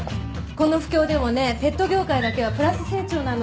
この不況でもねペット業界だけはプラス成長なの。